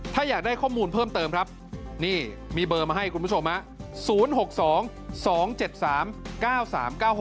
ถ้าอยากได้ข้อมูลเพิ่มเติมครับนี่มีเบอร์มาให้คุณผู้ชมฮะ